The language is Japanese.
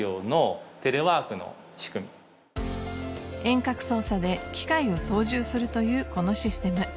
遠隔操作で機械を操縦するというこのシステム。